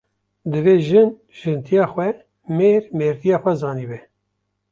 Divê jin jintiya xwe, mêr mêrtiya xwe zanî be